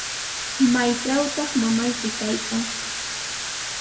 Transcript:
¿Maytrawtaq mamayki kaykan?